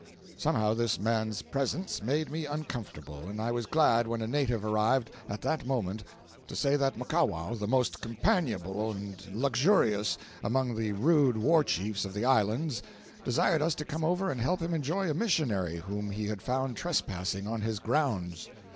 Somehow this man's presence made me uncomfortable, and I was glad when a native arrived at that moment to say that Muckawow, the most companionable and luxurious among the rude war chiefs of the Islands, desired us to come over and help him enjoy a missionary whom he had found trespassing on his grounds.